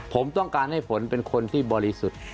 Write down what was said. ผมต้องการให้ฝนเป็นคนที่บริสุทธิ์